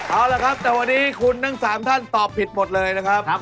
เอาละครับแต่วันนี้คุณทั้ง๓ท่านตอบผิดหมดเลยนะครับ